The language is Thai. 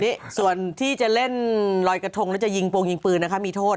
นี่ส่วนที่จะเล่นลอยกระทงแล้วจะยิงโปรงยิงปืนนะคะมีโทษ